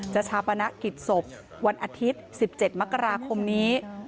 ชาปนกิจศพวันอาทิตย์๑๗มกราคมนี้